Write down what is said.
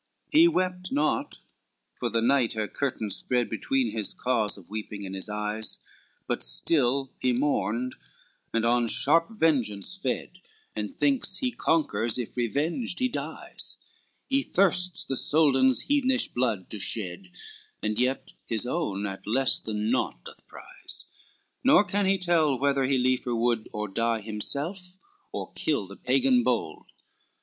XXXVI He wept not, for the night her curtain spread Between his cause of weeping and his eyes, But still he mourned and on sharp vengeance fed, And thinks he conquers, if revenged he dies; He thirsts the Soldan's heathenish blood to shed, And yet his own at less than naught doth prize, Nor can he tell whether he liefer would, Or die himself, or kill the Pagan bold.